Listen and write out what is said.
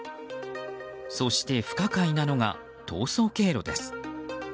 そして、不可解なのが逃走経路です。